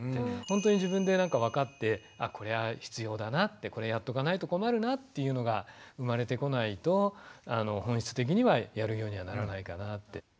本当に自分でわかってこれは必要だなってこれやっとかないと困るなっていうのが生まれてこないと本質的にはやるようにはならないかなって。